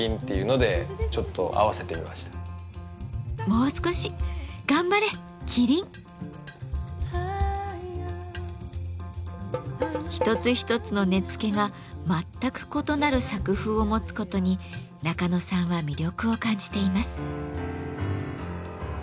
もう少し頑張れ麒麟！一つ一つの根付が全く異なる作風を持つことに中野さんは魅力を感じています。